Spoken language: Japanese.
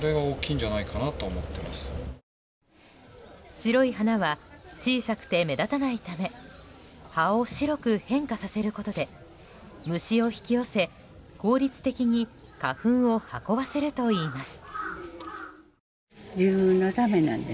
白い花は小さくて目立たないため葉を白く変化させることで虫を引き寄せ効率的に花粉を運ばせるといいます。